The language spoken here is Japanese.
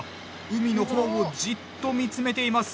海の方をじっと見つめています。